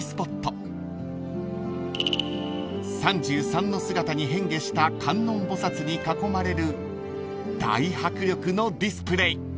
［３３の姿に変化した観音菩薩に囲まれる大迫力のディスプレー］